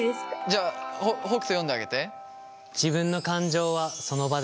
じゃあ北斗読んであげて。